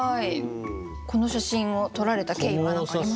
この写真を撮られた経緯は何かありますか？